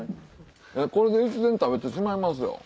これで１膳食べてしまいますよ。